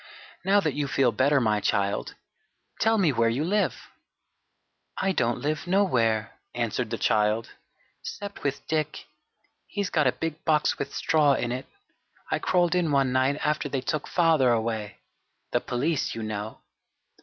"Now that you feel better, my child, tell me where you live?" "I don't live nowhere," answered the child, "'cept with Dick he's got a big box with straw in it. I crawled in one night after they took father away the police, you know."